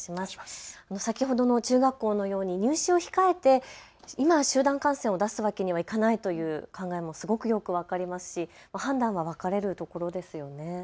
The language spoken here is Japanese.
先ほどの中学校のように入試を控えて今、集団感染を出すわけにはいかないという考えもすごくよく分かりますし判断は分かれるところですよね。